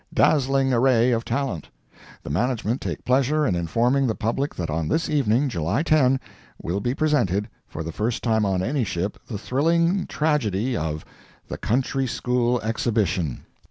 Dazzling Array of Talent. The management take pleasure in informing the public that on this evening, July 10, will be presented, for the first time on any ship, the thrilling tragedy of the Country School Exhibition.